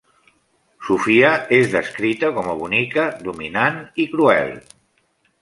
Sofia és descrita com a bonica, dominant i cruel.